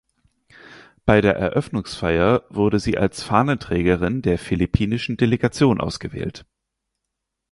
Bei der Eröffnungsfeier wurde sie als Fahnenträgerin der philippinischen Delegation ausgewählt.